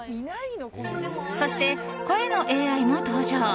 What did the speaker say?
そして、声のＡＩも登場。